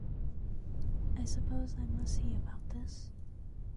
I suppose I must see about this.